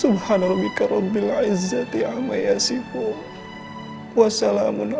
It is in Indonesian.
berikanlah hamba ya allah